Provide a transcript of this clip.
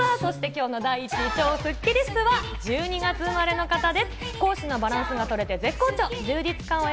今日の第１位、超スッキりすは１２月生まれの方です。